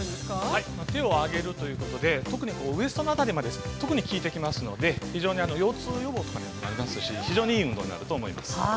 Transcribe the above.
◆はい、手を上げるということでウエストの辺りまで特に効いてきますので腰痛予防とかにもなりますし非常にいい運動になると思います。